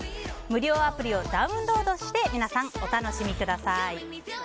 無料アプリをダウンロードして皆さん、お楽しみください。